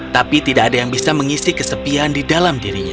tapi tidak ada yang bisa mengisi kesepian di dalam dirinya